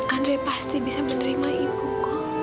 andre pasti bisa menerima ibu kok